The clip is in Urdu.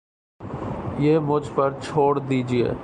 یہ مجھ پر چھوڑ دیجئے